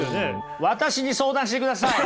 私に相談してください。